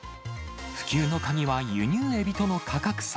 普及の鍵は輸入エビとの価格差。